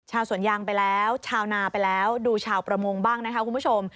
สวนยางไปแล้วชาวนาไปแล้วดูชาวประมงบ้างนะคะคุณผู้ชม